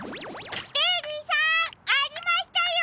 ベリーさんありましたよ！